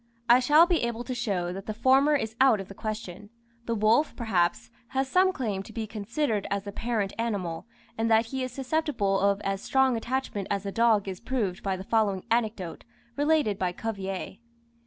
I shall be able to show that the former is out of the question. The wolf, perhaps, has some claim to be considered as the parent animal, and that he is susceptible of as strong attachment as the dog is proved by the following anecdote, related by Cuvier.